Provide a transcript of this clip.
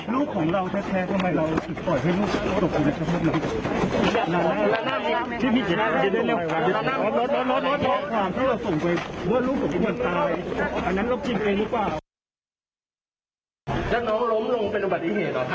น้องเจ้าน้องล้มลงเป็นอุบัติเหตุหรอครับหรือว่าไง